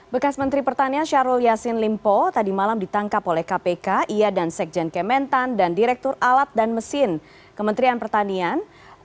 bekas menteri pertanian syahrul yassin limpo tadi malam ditangkap oleh kpk ia dan sekjen kementan dan direktur alat dan mesin kementerian pertanian